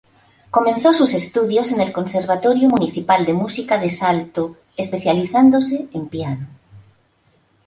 Comenzó sus estudios en el Conservatorio Municipal de Música de Salto, especializándose en piano.